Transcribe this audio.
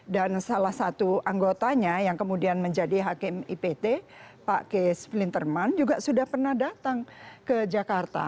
dan salah satu anggotanya yang kemudian menjadi hakim ipt pak kees plinterman juga sudah pernah datang ke jakarta